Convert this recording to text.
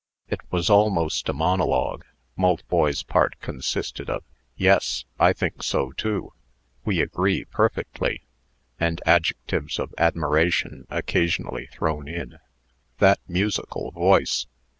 It was almost a monologue. Maltboy's part consisted of "Yes;" "I think so too;" "We agree perfectly," and adjectives of admiration occasionally thrown in. That musical voice!